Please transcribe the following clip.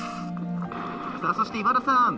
そして今田さん